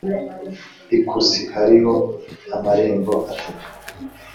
ikusi hariho amarembo atatu,